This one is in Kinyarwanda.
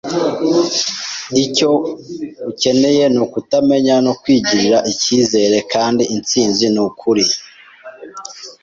Icyo ukeneye nukutamenya no kwigirira icyizere kandi intsinzi nukuri.